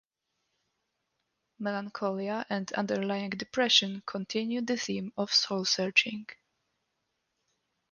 "Melancholia" and "Underlying Depression" continue the theme of soul searching.